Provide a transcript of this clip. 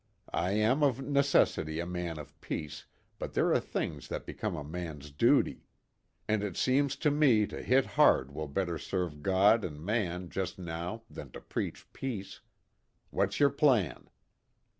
"I am of necessity a man of peace, but there are things that become a man's duty. And it seems to me to hit hard will better serve God and man just now than to preach peace. What's your plan?"